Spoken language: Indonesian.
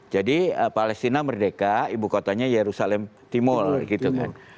jadi palestina merdeka ibu kotanya yerusalem timur gitu kan